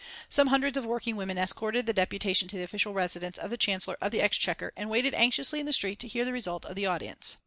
Some hundreds of working women escorted the deputation to the official residence of the Chancellor of the Exchequer and waited anxiously in the street to hear the result of the audience.